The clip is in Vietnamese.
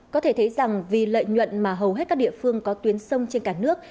có thể thấy rằng vì lợi nhuận mà hầu hết các địa phương có tuyến sông trên cả nước